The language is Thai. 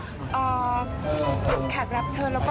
สวัสดีครับคุณผู้ชมครับ